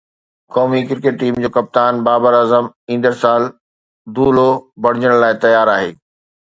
قومي cricket team جو ڪپتان بابر اعظم ايندڙ سال دلہن بڻجڻ لاءِ تيار آهي